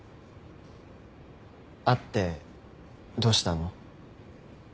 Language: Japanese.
会ってどうしたの？